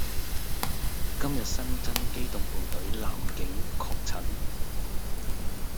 今日新增機動部隊男警確診